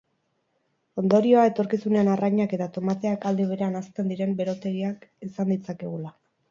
Ondorioa, etorkizunean arrainak eta tomateak aldi berean hazten diren berotegiak izan ditzakegula.